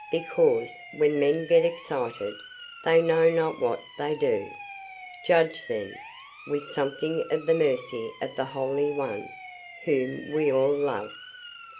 Because, when men get excited, they know not what they do. Judge, then, with something of the mercy of the Holy One, whom we all love.